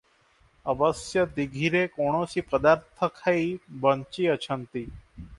ଅବଶ୍ୟ ଦୀଘିରେ କୌଣସି ପଦାର୍ଥ ଖାଇ ବଞ୍ଚିଅଛନ୍ତି?